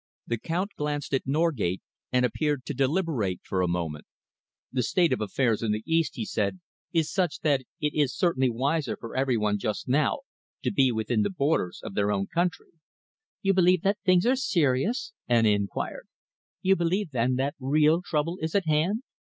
The Count glanced at Norgate and appeared to deliberate for a moment. "The state of affairs in the East," he said, "is such that it is certainly wiser for every one just now to be within the borders of their own country." "You believe that things are serious?" Anna enquired. "You believe, then, that real trouble is at hand?"